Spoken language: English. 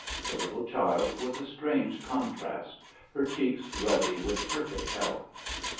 The little child was a strange contrast her cheeks ruddy with perfect health.